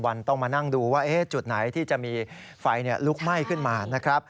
วันต้องมานั่งดูว่าจุดไหนที่จะมีไฟลุกไหม้ขึ้นมานะครับ